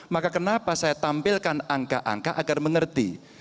maka kenapa saya tampilkan angka angka agar mengerti